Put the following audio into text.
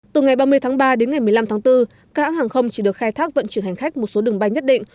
từ ngày ba mươi tháng ba đến ngày một mươi năm tháng bốn các hãng hàng không chỉ được khai thác vận chuyển hành khách một số đường bay nhất định